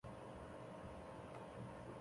并在国外订购了大门门锁。